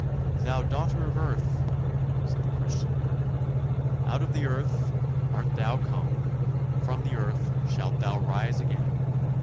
" Thou daughter of earth! " said the Christian martyr, " out of the earth art thou come, from the earth shalt thou rise again